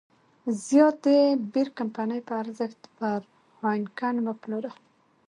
زیات د بیر کمپنۍ په ارزښت پر هاینکن وپلوره.